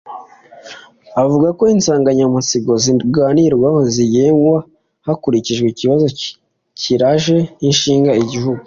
avuga ko insanganyamatsiko ziganirwaho zigenwa hakurikije ikibazo kiraje inshinga igihugu